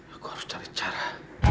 aku harus cari cara